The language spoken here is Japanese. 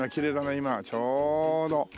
今ちょうど。